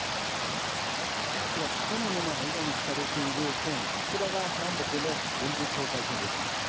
あちら、建物の間に引かれている線あちらが南北の軍事境界線です。